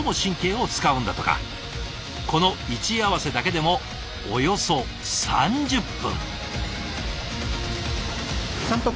この位置合わせだけでもおよそ３０分！